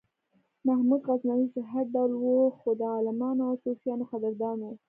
محمود غزنوي چې هر ډول و خو د عالمانو او صوفیانو قدردان و.